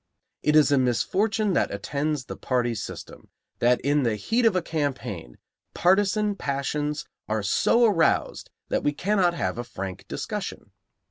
It is a misfortune that attends the party system that in the heat of a campaign partisan passions are so aroused that we cannot have frank discussion.